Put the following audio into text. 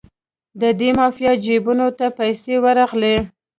د دې مافیا جیبونو ته پیسې ورغلې.